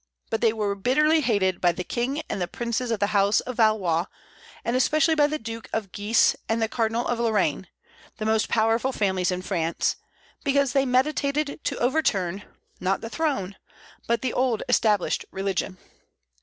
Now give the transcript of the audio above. But they were bitterly hated by the king and the princes of the house of Valois, and especially by the Duke of Guise and the Cardinal of Lorraine, the most powerful famlies in France, because they meditated to overturn, not the throne, but the old established religion.